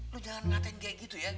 lu jangan ngatain kayak gitu ya